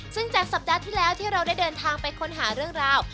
ซึ่งจากสัปดาห์ที่แล้วที่เราได้เดินทางไปค้นหาเรื่องราว